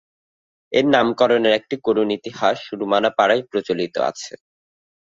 এর নামকরণের একটি করুন ইতিহাস রুমানা পাড়ায় প্রচলিত আছে।